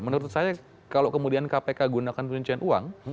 menurut saya kalau kemudian kpk menggunakan penyelenggaraan uang